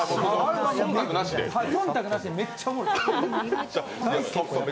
そんたくなしでめっちゃおもろいです。